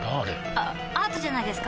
あアートじゃないですか？